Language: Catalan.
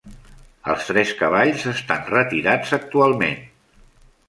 Els tres cavalls estan retirats actualment.